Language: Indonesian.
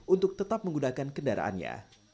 untuk tetap menggunakan kendaraannya